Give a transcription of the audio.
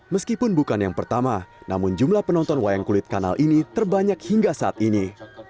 meskipun bukan yang pertama namun jumlah penonton wayang kulit kanal ini terbanyak hingga saat ini